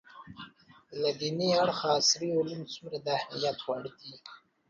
له دیني اړخه عصري علوم څومره د اهمیت وړ دي